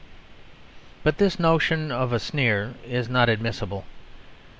But this notion of a sneer is not admissible.